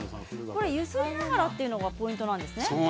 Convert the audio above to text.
揺すりながらというのがポイントなんですね。